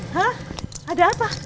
hah ada apa